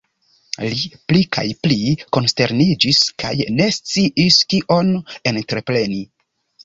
Li pli kaj pli konsterniĝis kaj ne sciis kion entrepreni.